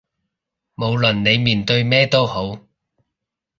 無論你面對咩都好